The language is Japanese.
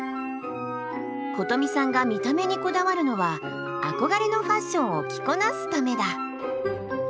ことみさんが見た目にこだわるのは憧れのファッションを着こなすためだ。